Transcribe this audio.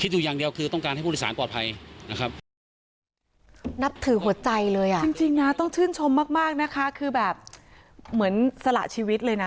จริงอ้าวต้องชื่นชมมากนะคะคือแบบเหมือนสระชีวิตเลยนะ